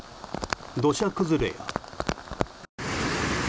土砂崩れや。